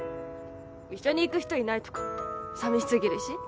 一緒に行く人いないとかさみし過ぎるし。